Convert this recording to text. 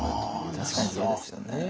確かにそうですよね。